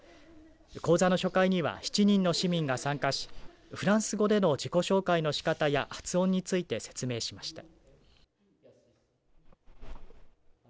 講座の初回には７人の市民が参加しフランス語での自己紹介のしかたや発音について説明しました。